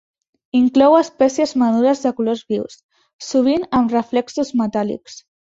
Inclou espècies menudes de colors vius, sovint amb reflexos metàl·lics.